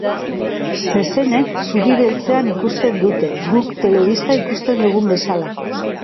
Zezenek zuri-beltzean ikusten dute, guk telebista ikusten dugun bezala!